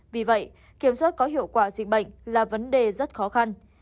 vì vậy kiểm soát có hiệu quả dịch bệnh là vấn đề rất khó khăn